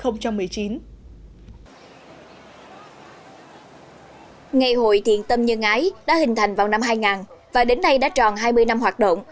ngày hội thiện tâm nhân ái đã hình thành vào năm hai nghìn và đến nay đã tròn hai mươi năm hoạt động